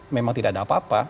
memang tidak ada apa apa